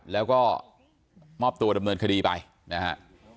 แล้วก็มอบตัวดำเนินคดีไปนะฮะ